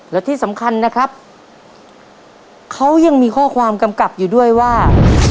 และที่สำคัญนะครับเขายังมีข้อความกำกับอยู่ด้วยว่า